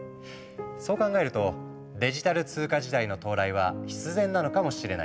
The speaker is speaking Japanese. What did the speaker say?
そう考えるとデジタル通貨時代の到来は必然なのかもしれないね。